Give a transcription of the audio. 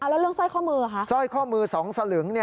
แล้วเรื่องสร้อยข้อมือคะสร้อยข้อมือ๒สลึง